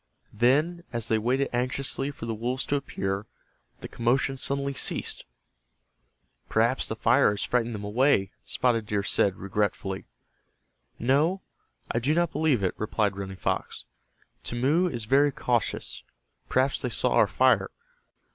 Then, as they waited anxiously for the wolves to appear, the commotion suddenly ceased. "Perhaps the fire has frightened them away," Spotted Deer said, regretfully. "No, I do not believe it," replied Running Fox. "Timmeu is very cautious. Perhaps they saw our fire.